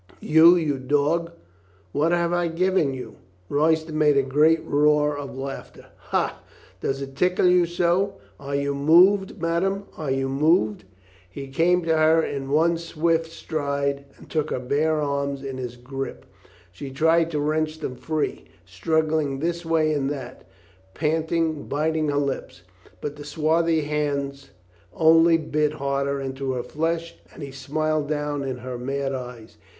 "You — ^you dog — what I have given you !" Royston made a great roar of laughter. "Ha! Does it tickle you so? Are you moved, madame; are you moved?" He came to her in one swift stride and took her bare arms in his grip. She tried to wrench them free, struggling this way and that, panting, biting her lips. But the swarthy hands only bit harder into her flesh and he smiled down in her mad eyes.